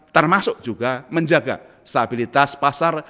termasuk juga menjaga stabilitas pasar